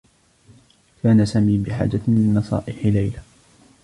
كان سامي بحاجة لنصائح ليلى.